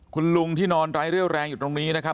คุณลุงที่นอนไร้เรี่ยวแรงอยู่ตรงนี้นะครับ